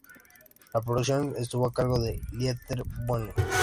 La producción estuvo a cargo de Dieter Bohlen.